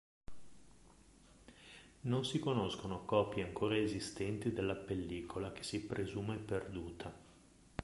Non si conoscono copie ancora esistenti della pellicola che si presume perduta.